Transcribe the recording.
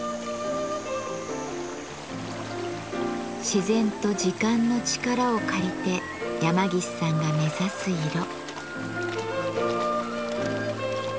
自然と時間の力を借りて山岸さんが目指す色。